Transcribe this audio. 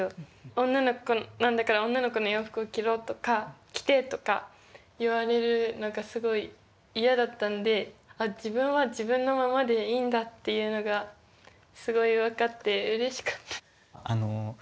女の子なんだから女の子の洋服を着ろとか着てとか言われるのがすごい嫌だったんであ自分は自分のままでいいんだっていうのがすごい分かってうれしかった。